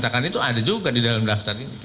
daftar nama itu ada juga di dalam daftar ini